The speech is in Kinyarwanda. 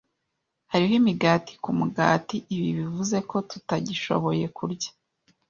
Hariho imigati kumugati. Ibi bivuze ko tutagishoboye kurya.